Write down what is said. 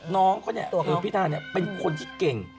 เก่งจากน้องพี่ทางนี้มีตัวแล้ว